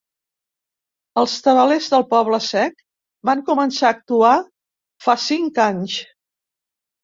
Els Tabalers del Poble Sec van començar a actuar fa cinc anys.